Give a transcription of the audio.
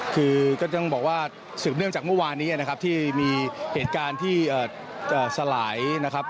คือก็ต้องบอกว่าสืบเนื่องจากเมื่อวานนี้นะครับที่มีเหตุการณ์ที่สลายนะครับ